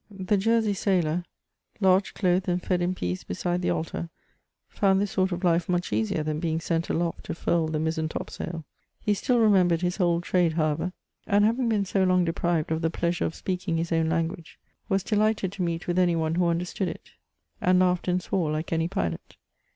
The Jersey sailor, lodged, clothed, and fed in peace beside the altar, found this sort of life much easier than being sent aloft to furl the mizen top sail. He still remembered his old trade, however, and having been so long deprived of the pleasure of speaking his own lan guage, was delighted to meet with any one who understood it, and laughed and swore like anypilot.